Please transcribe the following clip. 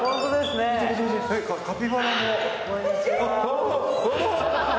カピバラも！